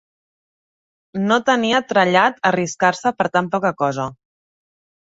No tenia trellat arriscar-se per tan poca cosa.